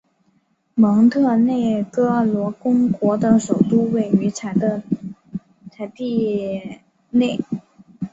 蒙特内哥罗公国的首都位于采蒂涅。